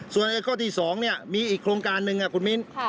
ส่วนข้อที่สองนี่มีอีกโครงการนึงครับคุณวินทร์